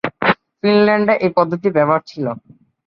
ফিনল্যান্ডে এই পদ্ধতি ব্যবহার ছিল।